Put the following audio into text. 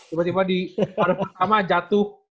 tiba tiba di hari pertama jatuh